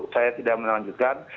saya tidak melanjutkan